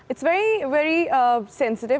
ini sangat sensitif